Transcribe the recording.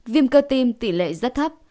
viêm cơ tim tỷ lệ rất thấp